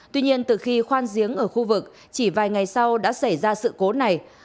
tuy nhiên từ khi khoan giếng ở khu vực chỉ vài ngày sau đã xảy ra sự cố này